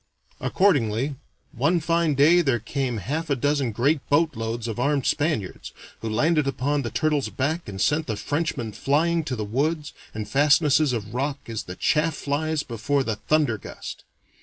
Accordingly, one fine day there came half a dozen great boatloads of armed Spaniards, who landed upon the Turtle's Back and sent the Frenchmen flying to the woods and fastnesses of rocks as the chaff flies before the thunder gust.